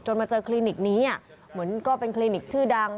มาเจอคลินิกนี้เหมือนก็เป็นคลินิกชื่อดัง